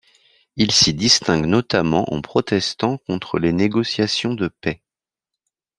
Il s'y distingue notamment en protestant contre les négociations de paix.